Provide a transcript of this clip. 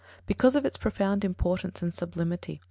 Because of its profound importance and sublimity.